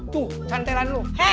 tuh santelan lo